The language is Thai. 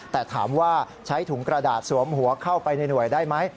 แต่ถามว่าใช้ถุงกระดาษสวมหัวเข้าไปในหน่วยได้ไหม